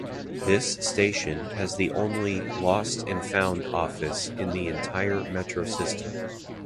This station has the only "Lost and Found" office in the entire Metro system.